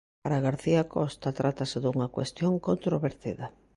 Para García Costa trátase dunha cuestión "controvertida".